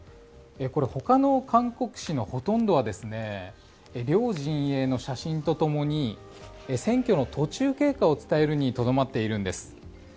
これ、ほかの韓国紙のほとんどは両陣営の写真とともに選挙の途中経過を伝えるにとどまっているんです。